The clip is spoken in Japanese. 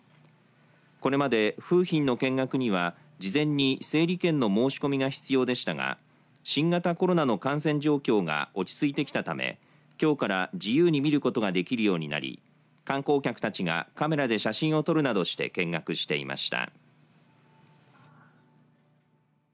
これまで、楓浜の見学には事前に整理券の申し込みが必要でしたが新型コロナの感染状況が落ち着いてきたため、きょうから自由に見ることができるようになり観光客たちが、カメラで写真を撮るなどして見学していました。